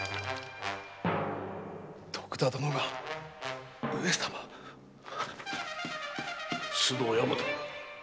徳田殿が上様⁉須藤大和